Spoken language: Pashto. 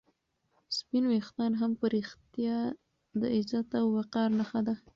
سپین ویښتان په رښتیا هم د عزت او وقار نښه ده.